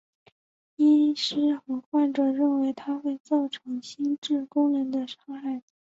医师和患者认为它会造成心智功能的伤害。